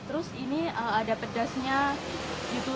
terus ini ada pedasnya gitu